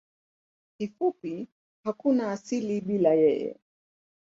Kifupi hakuna asili bila yeye.